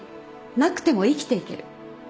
なくても生きていける。